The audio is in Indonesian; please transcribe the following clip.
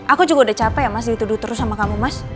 aku juga udah capek ya mas dituduh terus sama kamu mas